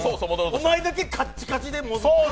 お前だけカッチカチで。